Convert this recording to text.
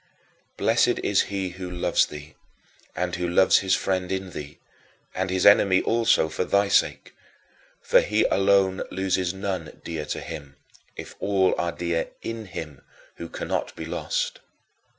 Blessed is he who loves thee, and who loves his friend in thee, and his enemy also, for thy sake; for he alone loses none dear to him, if all are dear in Him who cannot be lost.